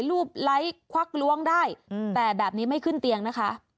รูปไลค์ควักล้วงได้แต่แบบนี้ไม่ขึ้นเตียงนะคะ